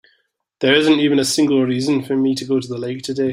There isn't even a single reason for me to go to the lake today.